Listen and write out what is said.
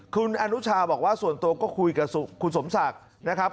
คุณอนุชาบอกว่าส่วนตัวก็คุยกับคุณสมศักดิ์นะครับ